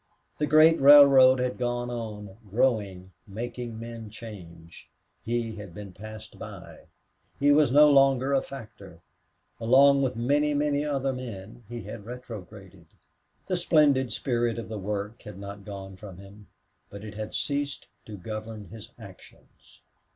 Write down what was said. The great railroad had gone on, growing, making men change. He had been passed by. He was no longer a factor. Along with many, many other men, he had retrograded. The splendid spirit of the work had not gone from him, but it had ceased to govern his actions.